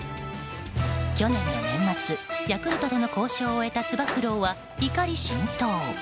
去年の年末、ヤクルトとの交渉を終えたつば九郎は怒り心頭。